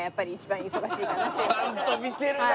ちゃんと見てるな。